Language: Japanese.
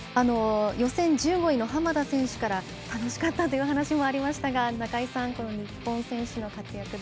予選１５位の浜田選手から楽しかったという話もありましたが中井さん、この日本選手の活躍